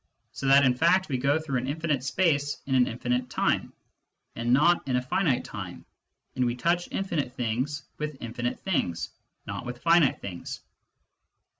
So that in fact we go through an infinite, [space] in an infinite [time] and not in a finite [time], and we touch infinite things with infinite things, not with finite things."